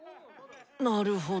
なるほど！